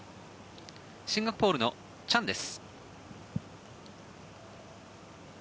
シンガポールのチャンです。